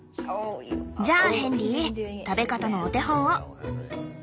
じゃあヘンリー食べ方のお手本を。